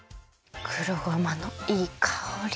黒ごまのいいかおり。